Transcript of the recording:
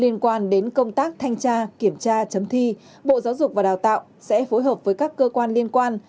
liên quan đến công tác thanh tra kiểm tra chấm thi bộ giáo dục và đào tạo sẽ phối hợp với các cơ quan liên quan